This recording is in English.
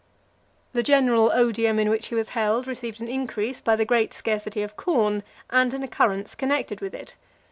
XLV. The general odium in which he was held received an increase by the great scarcity of corn, and an occurrence connected with it.